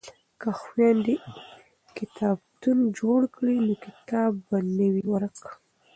که خویندې کتابتون جوړ کړي نو کتاب به نه وي ورک.